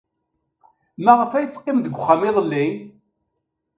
Maɣef ay teqqim deg uxxam iḍelli?